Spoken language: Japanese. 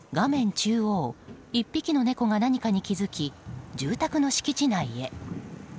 中央１匹の猫が何かに気づき住宅の敷地内へ。